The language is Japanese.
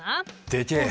でけえ！